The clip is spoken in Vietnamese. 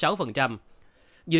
đạt tăng trưởng dương sáu